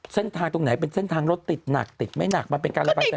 เส้นทางตรงไหนเป็นเส้นทางรถติดหนักติดไม่หนักมันเป็นการระบาย